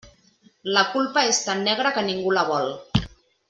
La culpa és tan negra que ningú la vol.